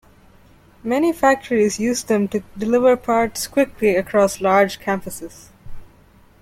Many factories use them to deliver parts quickly across large campuses.